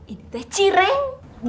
ini teh cireng